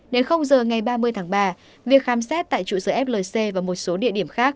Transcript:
đến giờ ngày ba mươi tháng ba việc khám xét tại trụ sở flc và một số địa điểm khác